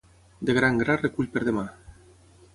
De gra en gra recull per demà.